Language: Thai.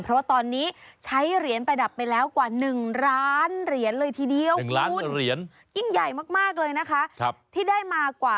เพราะว่าตอนนี้ใช้เหรียญประดับไปแล้วกว่า๑ล้านเหรียญเลยทีเดียว